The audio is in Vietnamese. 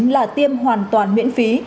là tiêm hoàn toàn miễn phí